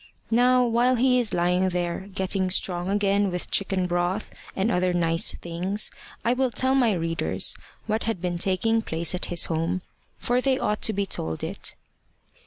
Now while he is lying there, getting strong again with chicken broth and other nice things, I will tell my readers what had been taking place at his home, for they ought to be told it.